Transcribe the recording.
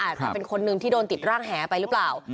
จะเป็นคนหนึ่งที่โดนติดร่างแหไปหรือเปล่า